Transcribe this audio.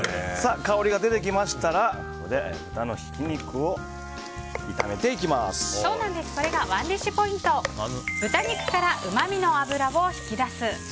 香りが出てきましたらそれがＯｎｅＤｉｓｈポイント豚肉からうまみの脂を引き出す！